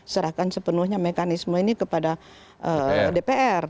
serahkan sepenuhnya mekanisme ini kepada dpr